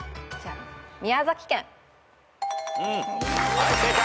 はい正解。